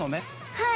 はい。